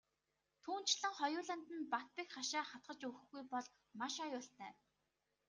Түүнчлэн хоёуланд нь бат бэх хашаа хатгаж өгөхгүй бол маш аюултай.